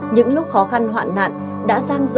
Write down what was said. những lúc khó khăn hoạn nạn đã sang rộng vào tình nghĩa đồng bào